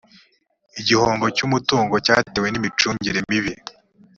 igihombo cy’umutungo cyatewe n’imicungire mibi